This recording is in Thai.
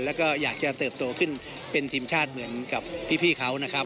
แล้วก็อยากจะเติบโตขึ้นเป็นทีมชาติเหมือนกับพี่เขานะครับ